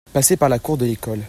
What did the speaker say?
passer par la cour de l'école.